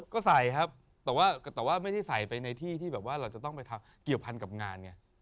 ก็ใส่ครับแต่ว่าไม่ได้ใส่ไปในที่ที่แบบว่าเราจะต้องไปเกี่ยวพันกับงานไง